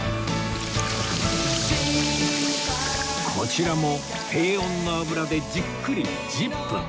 こちらも低温の油でじっくり１０分